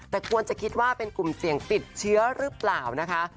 แต่ควรจะคิดว่าเป็นกลุ่มเสี่ยงติดเชื้อหรือเปล่านะคะ